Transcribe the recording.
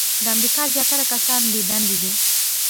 د امریکا زیاتره کسان بې دندې دي .